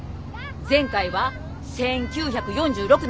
前回は１９４６年。